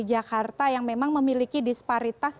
jakarta yang memang memiliki disparitas